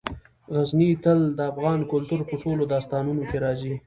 غزني تل د افغان کلتور په ټولو داستانونو کې راځي.